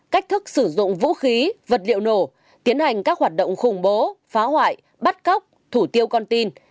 cách thức sử dụng vũ khí vật liệu nổ tiến hành các hoạt động khủng bố phá hoại bắt cóc thủ tiêu con tin